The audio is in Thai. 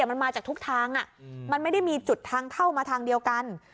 แต่มันมาจากทุกทางมันไม่ได้มีจุดทางเข้ามาทางเดียวกัน